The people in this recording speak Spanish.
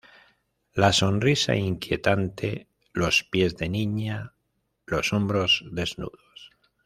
la sonrisa inquietante, los pies de niña, los hombros desnudos